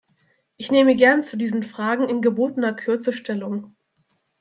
Ich nehme gern zu diesen Fragen in gebotener Kürze Stellung.